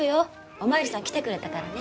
お巡りさん来てくれたからね。